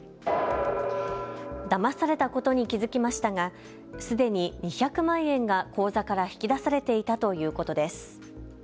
だまされたことに気付きましたがすでに２００万円が口座から引き出されていたということです。